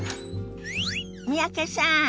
三宅さん